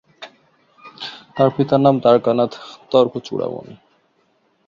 তাঁর পিতার নাম দ্বারকানাথ তর্কচূড়ামণি।